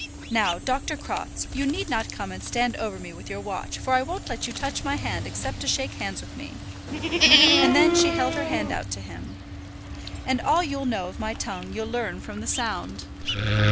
Now, Dr. Crofts, you need not come and stand over me with your watch, for I won't let you touch my hand except to shake hands with me;" and then she held her hand out to him. "And all you'll know of my tongue you'll learn from the sound."